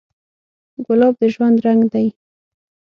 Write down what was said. ګلاب د ژوند رنګ دی.